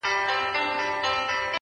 اوس په لمانځه کي دعا نه کوم ښېرا کومه،